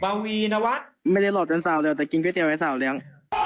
ปวีนวัไม่ได้หลอกจนสาวเลี้ยวแต่กินก๋วยเตี๋ยวให้สาวเลี้ยง